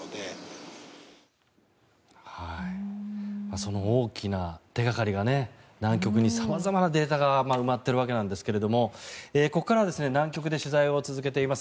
その大きな手掛かりが南極に様々なデータが埋まっているわけなんですがここからは南極で取材を続けています